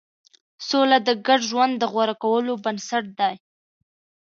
سوله د ګډ ژوند د غوره کولو بنسټ دی.